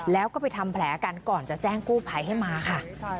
แล้วก็ไปทำแผลกันก่อนจะแจ้งกู้ภัยให้มาค่ะ